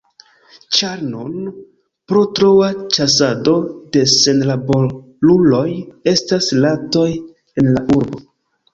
Ĉar nun, pro troa ĉasado de senlaboruloj, estas ratoj en la urbo.